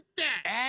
え